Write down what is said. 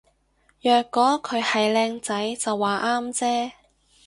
若果佢係靚仔就話啱啫